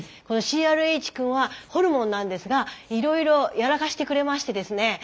このＣＲＨくんはホルモンなんですがいろいろやらかしてくれましてですね